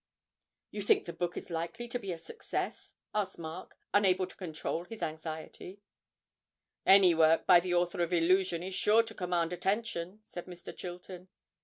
'You think the book is likely to be a success?' asked Mark, unable to control his anxiety. 'Any work by the author of "Illusion" is sure to command attention,' said Mr. Chilton.